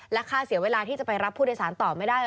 และค่าเสียเวลาที่จะไปรับผู้โดยสารต่อไม่ได้